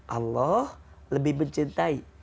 allah lebih mencintai